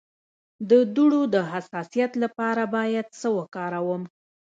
د دوړو د حساسیت لپاره باید څه وکاروم؟